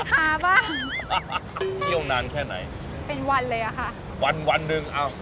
ถามนักค้าบ้างพี่ต้องนานแค่ไหนเป็นวันเลยอ่ะค่ะวันวันหนึ่งเอ้า